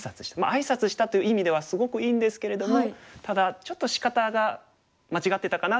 あいさつしたという意味ではすごくいいんですけれどもただちょっとしかたが間違ってたかなという感じですかね。